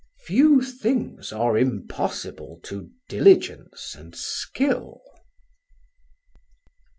Few things are impossible to diligence and skill."